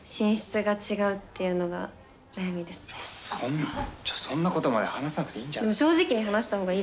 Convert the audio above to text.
そんそんなことまで話さなくていいんじゃない？